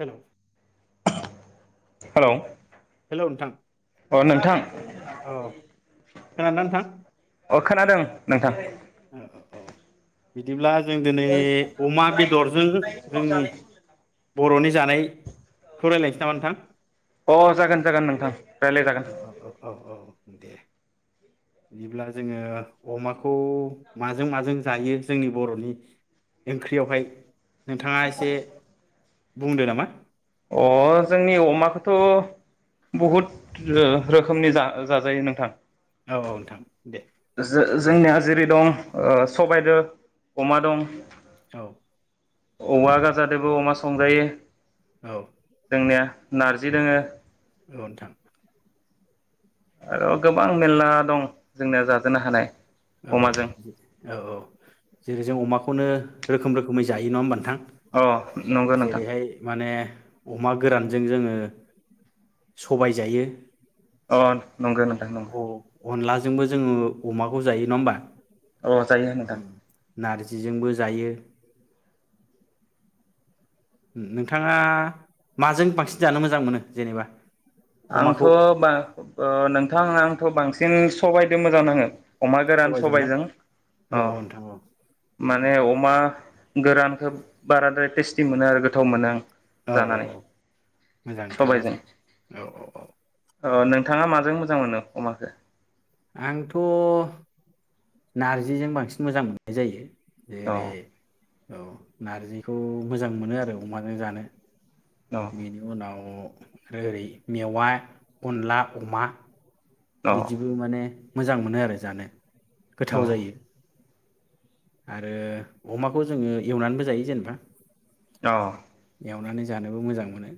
Hello hello hello नोंथां अ नोंथां औ खोनादोंना नोंथां अ खोनादों नोंथां औ औ औ बिदिब्ला जों दिनै अमा बेदरजों जोंनि बर'नि जानायखौ रायलायनोसै नामा नोंथां? अ जागोन जागोन नोंथां रायलाय जागोन। औ औ औ औ दे। बिदिब्ला जोङो अमाखौ माजों माजों जायो जोंनि बर'नि ओंख्रियावहाय नोंथाङा एसे बुंदो नामा? अ जोंनि अमाखौथ' बहुद रोखोमनि जाजायो नोंथां। औ औ नोंथां दे जोंना फोरमायलाय जोंनिया जेरै दं। ओ सबायजों अमा दं। औ औवा गारजादोबो अमा संजायो। औ जोंनिया नारजि दोङो औ नोथां आरो गोबां मेरला दं जोंनिया जाजेननो हानाय। औ औ अमाजों औ औ जेरै जों अमाखौनो। रोखोम रोखोमै जायो नङा होनबा नोंथां? अ नंगौ नोंथां जेरैहाय माने अमा गोरानजों जोङो सबाय जायो। अ नंगौ नोंथां नंगौ। जोंबो जोङो अमाखौ जायो नङा होमबा? औ जायो नोंथां नार्जिजोंबो जायो। नोंथाङा माजों बांसिन जानो मोजां मोनो जेनेबा? आंथ' अमाखौ नोंथां आंथ' बांसिन जों सबायदो मोजां नाङो। अमा गोरान सबायजों औ अ नोंथां औ माने अमा। गोरानखौ बाराद्राय टेस्टि मोनो आरो गोथाव मोनो आं। औ औ जानानै औ मोजां नोंथां सबायजों मोजां औ औ ओ नोंथाङा माजों मोजां मोनो अमाखौ आंथ' नार्जिजों बांसिन मोजां मोननाय जायो अ जेरै औ नारजिखौ मोजां मोनो आरो अमाजों जानो बिनि उनाव आरो ओरै मेवा अनला अमा अ बिदिबो माने मोजां मोनो आरो जानो गोथाव जायो आरो अमाखौ जोङो एवनानैबो जायो जेनेबा औ एवनानै जानोबो मोजां मोनो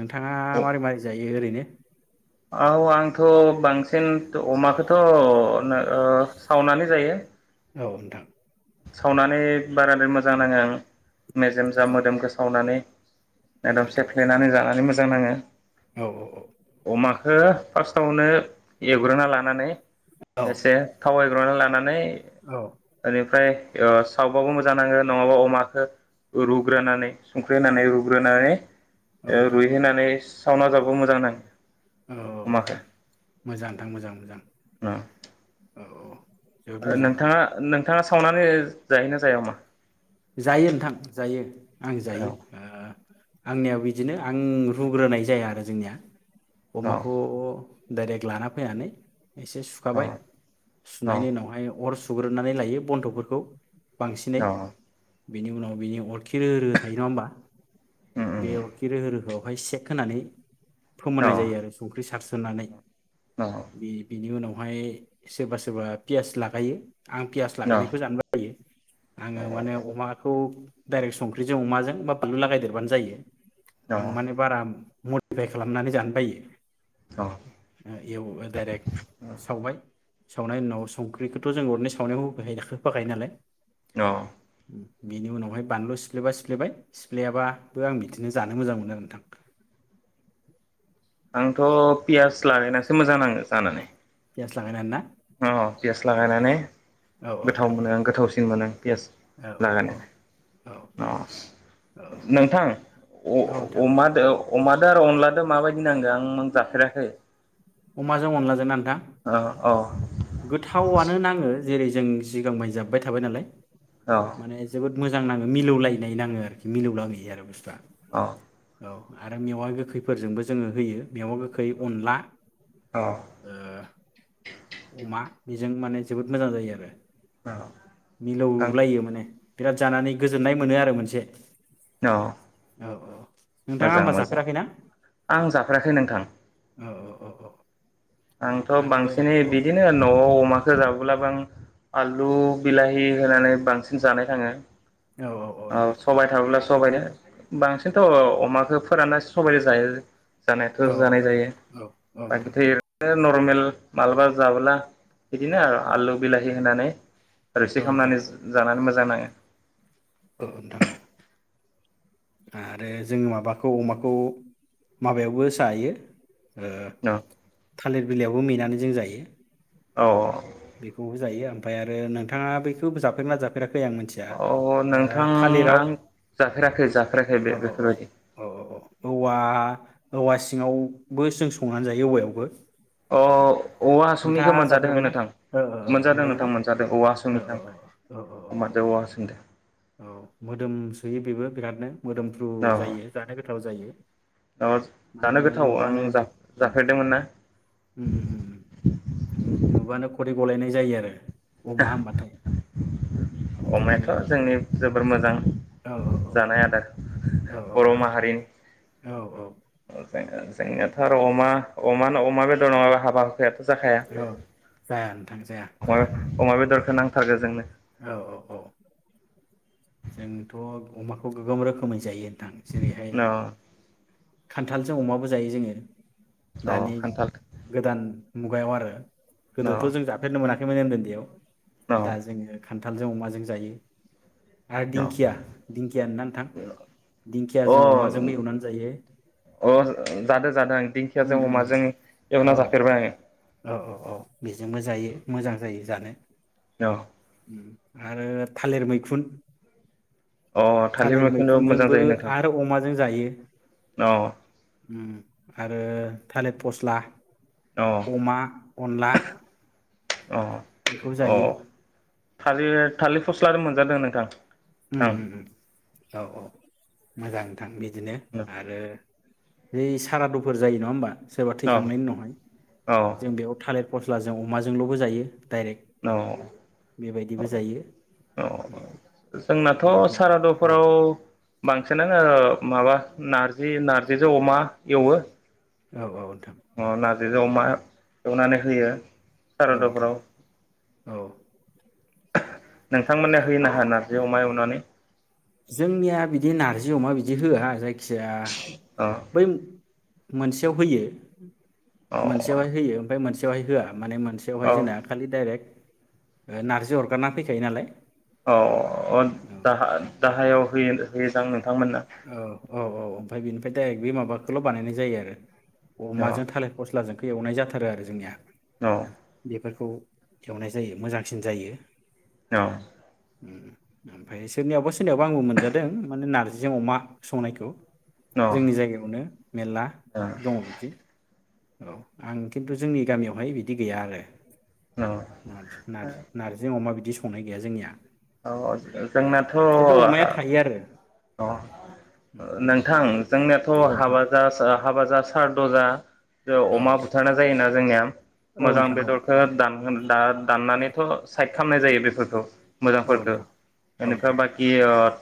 नोंथाङा अ मारै मारै जायो ओरैनो औ आंथ' बांसिन अमाखौथ' सावनानै जायो औ नोंथां सावनानै बाराद्राय मोजां नाङो आं मेजेमजा औ मोदोमखो सावनानै एकदम नोंथां सेफ्लेनानै जानानै मोजां मोजां नाङो औ औ औ हो फार्स्टआवनो एवग्रोना लानानै औ एसे थावाय [unintelligible] लानानै औ आरो ओमफ्राय ओ सावबाबो मोजां नाङो नङाबा अमाखो रुग्रोनानै सुंख्रै होनानै रुग्रोनानै औ ओ नोंथां रुइहो नानै सावना जाबा बो मोजां नाङो औ अमाखो मोजां नोंथां मोजां मोजां औ औ जोबोद ओ मोजां नोंथाङा नों नोंथाङा सावनानै जायोना जाया अमा जायो नोंथां जायो आं औ जायो आंनियाव बिदिनो आं रुग्रोनाय जाया आरो जोंनिया औ अमाखौ डाइरेक्ट लाना फैनानै एसे सुखाबाय औ सुनायनि औ उनावहाय अर सुग्रोनानै लायो बन्थ'फोरखौ बांसिनै औ बिनि उनाव बिनि अर खि रोहो रोहो थायो नङा होमबा उम उम बेयाव खि रोहो रोहोआव बेवहाय सेक होनानै औ फोमोननाय जायो आरो संख्रि सारस्रो होननानै बे बिनि उनाव बेहाय सोरबा सोरबा पियास लागायो आं पियास औ लागायनायखौ जानो बायो आङो माने खौ डाइरेक्ट संख्रिजों अमाजों बा बानलु लागायदेरबानो जायो औ आं माने बारा मडिफाइ खालामनानै जानो बायो एव दायरेक सावबाय सावनाय उनाव संख्रिखौथ' जों अरनि सावनायाव होफायो होफाखायो नालाय अ बिनि उनावहाय बानलु सिफ्लेबा सिफ्लेबाय सिफ्लाययाबाबो आं बिदिनो जानो मोजां मोनो आरो नोंथां आंथ' पियास लालायनानैसो मोजां नाङो जानानै पियास लागायनानैना अ पियास लागायनानै औ गोथाव नोंथां मोनो आं गोथावसिन सिन मोनो पियास औ औ लागोन औ औ अ नोंथां औ नोंथां अमा अमादो आरो अनलाजों माबायदि नांगो आं नों जाफेराखै अमाजों अनलाजोंना नोंथां अ गोथावआनो नाङो जेरै जों सिगांबाय जाबोबाय थाबाय नालाय अ माने जोबोद मोजां नाङो मिलौलायनाय नाङो आरोखि मिलौलायहयो आरो बुसथुआ अ औ आरो मेवा गोखैफोरजोंबो जोङो होयो मेवा गोखै अनला अ ओ अमा बेजों माने जोबोद मोजां जायो आरो अ आं मिलौलायो माने बिराद जानानै गोजोननाय मोनो आरो मोनसे अ औ औ नोंथाङा मोजां होमबा मोजां जाफेराखैना आं जाफेराखै नोंथां औ औ औ आंथ' आरो बांसिनै औ बिदिनो न'आव अमाखौ जाबोलाबो आं आलु बिलाहि होनानै बांसिन जानाय थाङो औ सबाय थाबोब्ला सबनो बांसिनथ' अमाखौ फोरानना सबायजों जायो जानायाथ' औ जानाय जायो औ औ बाखि नोंथां थायो नर्मेल माब्लाबा जाबोला बिदिना आरो औ औ आलु बिलाहि होननानै रोसि नोंथां खामनानै जानानै मोजां नाङो औ नोंथां औ आरो जोङो माबाखौ अमाखौ माबायावबो जायो ओ थालिर बिलाइयावबो मेनानै जों जायो औ औ बेखौबो जायो ओमफ्राय आरो नोंथाङा बेखौ जाफेरो ना जाफेरा फैफेराखै आं मोनथिया औ अ नोंथां थालिराव आं जाफेराखै जाफेराखै बे औ बेफोरबायदि औ औवा औवा सिङावबो जों संनानै जायो औवायावबो अ औवा हासुंनिखो नोंथाङा मोनजादों आं जाफेरबायना नोंथां औ औ मोनजादों मोनजादो ना नोंथां मोनजादों औवा हासुंनिखौ आं मोनजादों औवा हासुंनिखौ औ मोदोम सोयो बेबो बिरादनो मोदोमफ्रु जायो औ जानो गोथाव जायो औ जानो माने गोथाव आं नुबानो उम जाफेरदोंमोन ना उम उम नुबानो खदै गलायनाय जायो आरो अमा होनबाथाय ओंखायनो अमायाथ' जोंनि जोबोर मोजां औ औ औ जानाय आदार औ बर' माहारिनि औ औ जो जों-जोंनियाथ' आरो अमा अमा अमा बेदर नङाबा हाबा जाखाया औ जाया नोंथां जाया जाया अमा बेदर इखो नांथारगो जोंनो औ औ औ जोंथ' अमाखौ गोबां रोखोमै जायो नोंथां जेरैहाय न' खान्थालजों अमाबो जायो जोङो अ दानि खान्थाल गोदान मुगायाव आरो न' गोदोथ' जों जाफेरनो मोना खैमोन उन्दैयाव दा जोङो खान्थालजों अमाजों जायो आरो न' दिंखिया दिंखिया होनो नोंथां दिंखिया अ जों अमाजोंबो एवनानै जायो अ जादो जादों आं उम दिंखियाजों उम उम अमाजों एवना औ जाफेरबाय औ औ औ बेजोंबो जायो मोजां जायो जानो औ उम आरो थालेर मैखुन अ थालिर थालेर मैखुनबो मोजां मैखुनजोंबो जायो नोंथां आरो अमाजों जायो अ उम आरो थालिर फस्ला अ अमा अनला अ बेखौ अ जायो थालिर थालिर फस्ला दो मोनजादो नोंथां उम आं उम उम औ औ मोजां नोंथां बि दिनो आरो बै सारादुफोर जायो नङा होमबा सोरबा औ थैखांनायनि उनावहाय जों औ बेयाव थालेर फस्लाजों अमाजोंल'बो जायो डाइरेक्ट औ बेबायदिबो जायो औ उम जोंनाथ' बेफोर औ सारादुफोराव बांसिनानो माबा नारजि नार्जिजों अमा एवो औ औ अ नार्जिजों अमा एवनानै होयो औ नोंथां सारादुफोराव औ नोंथांमोनना होयो ना होआ नारजि अमा एवनानै जोंनिया बिदि नारजि अमा बिदि होआ जाय खिया अ बै मोनसेयाव होयो अ मोनसेयाव हाय होयो ओमफाय मोनसेयावहाय होआ माने मोनसेयावहाय औ जोंना खालि डाइरेक्ट ओ नारजि अरगारना फैखायो नालाय औ अ औ दाहा दाहायाव। होयो लो होयो दां ओं औ औ औ ओमफाय बेनिफ्राय डाइरेक्ट बे माबाखौल' बानायनाय जायो आरो अ अमाजों थालिर फस्लाजों एवनाय जाथारो आरो जोंनिया अ बेफोरखौ एवनाय जायो मोजांसिन जायो औ ओमफ्राय सोरनियावबा सोरनियावबा आंबो मोनजादों माने नारजि जों अमा संनायखौ जोंनि जायगायावनो मेरला अ दङ बिदि औ आं खिन्थु जोंनि गामियावहाय बिदि गैया आरो अ [unintelligible] नारजि अमा बि बिदि संनाय गैया जोंनिया औ उम जोंनाथ' खिन्थु अमाया थायो आरो उम अ नोंथां जोंनियाथ' औ नोंथां हाबा जा हाबा जा सारद' जा ज औ अमा नोंथां बुथारना जायोना जोंनिया औ मोजां नोंथां बेदरखौ दान दा दाननानैथ' साइड खालामामनाय जायो बेफोरखौ। औ औ मोजांफोरखौ नोंथां औ बेनिफ्राय नोंथां बाखि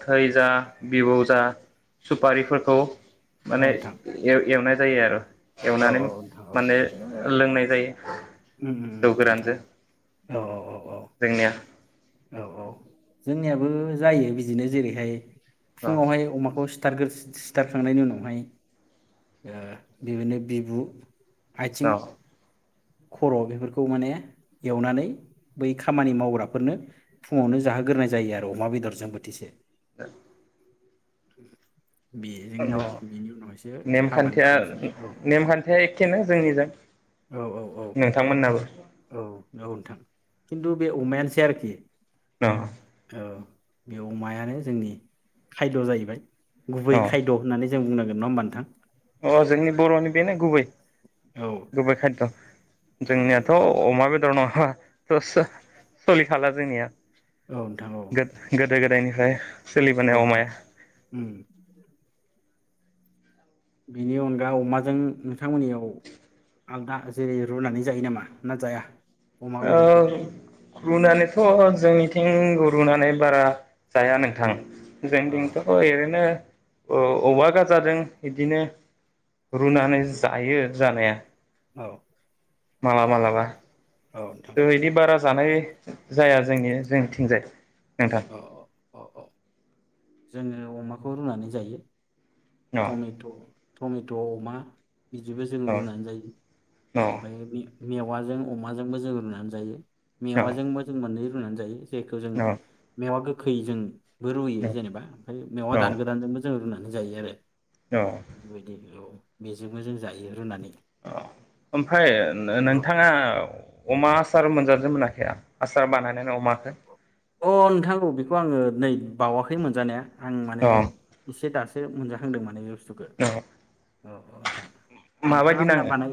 थै जा बिबौ जा सुपारिफोरखौ‌ औ माने नोंथां एर-एरनायजों जायो आरो औ एवनानै माने लोंनाय जायो। ओम जौ ओम ओम गोरानजों औ औ औ जोंनिया औ औ औ जोंनियाबो जायो बिदिनो जेरैहाय औ फुङावहाय अमाखौसि सिथारखांनायनि उनावहाय ओ बेबायनो बिबु आइथिं औ खर' बेफोरखौ माने एवनानै बै खामानि मावग्राफोरनो फुङावनो जाहोग्रोनाय जायो आरो अमा बेदरजों बोथिसे [unintelligible] [unintelligible] औ बेनि उनावसो हाबानि नेमखान्थिया थाखाय सं औ नेमखान्थिया एखेनो जोंनिजों औ औ औ नोंथां मोननाबो औ औ नोंथां खिन्थु बे अमायानोसै आरोखि औ औ बे अमायानो जोंनि खायद' जाहैबाय गुबै औ खायद' होननानै जों बुंनांगोन नङा होनोमबा नोंथां अ जोंनि बर'नि बेनो गुबै औ गुबै खायद औ औ जोंनियाथ' नोंथां अमा बेदर नङा सोलिखाला जोंनिया औ नोंथां औ गोद गोदो गोदायनि ओमफ्राय औ नोंथां उम बेनि अनगा अमाजों नोंथांमोननियाव आलदा जेरै रुनानै जायो नामा ना जाया अमा बेदरखौ ओ रुनानैथ' जोंनिथिं थिं रुनानै बारा जाया नोंथां अ जोंनिथिंथ' एरैनो औ बेबा गाजाजों इदिनो रुनानै जायो जानाया औ मालाबा मालाबा नोंथां दोहैनि बारा जानाय जाया जोंनि जोंथिंजाय नोंथां औ औ औ जोङो अमाखौ रुनानै जायो औ टमेट' टमेट' अमा बिदिबो जों रुनानै जायो औ ओमफ्राय बे मेवाजों अमाजोंबो जों रुनानै जायो औ औ मेवाजोंबो जों मोननै रुनानै जायो जायखौ जों औ मेवा गो खैजों बो रुयो जेनेबा ओमफ्राय मेवा औ दान गोदानजोंबो जों रुना नो जायो आरो बिबायदि औ बेजोंबो जों जायो रुनानै अ ओमफ्राय औ नोंथाङा नोंथां अ अमा आसार मोनजादोनि मोनजायाखै? आसार बानायनानै अमाखौ अ नोंथां बेखौ आङो नै बावाखै मोनजानाया आं माने अ एसे दासो से मोनजाखांदों माने बे थुखो अ औ औ नोंथां नोंथाङा माबायदि मोना नाङो बानाय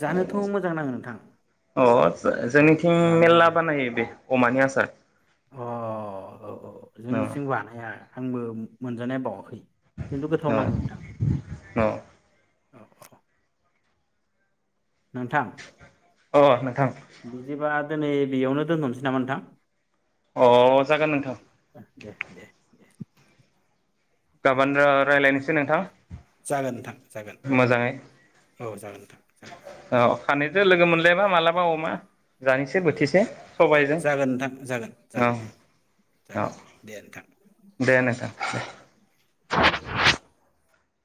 जानोथ' मोजां नाङो नोंथां अ अ औ जोंनिथिं जानो मेरला मोजां बानायो बेख अमानि आसार अ औ औ जोंनिथिं बानाया आंबो मोनजानाया बावाखै खिन्थु गोथाव औ नाङो नोंथां औ औ नोंथां औ अ नोंथां बिदिबा दिनै बेयावनो दोनथ'नोसै नामा नोंथां? अ जागोन नोंथां दे दे दे। गाबोन रायज्लायनोसै नोंथां जागोन नोंथां जागोन मोजाङै औ जागोन नोंथां जागोन। औ सानैजों लोगो मोनलायबा मालाबा अमा जानोसै बोथिसे सबायजों जागोन नोंथां जागोन औ जागोन औ जागोन दे नोंथां दे नोंथां [unintelligible]